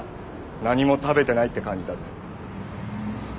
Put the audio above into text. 何も食べてないって感じだぜ。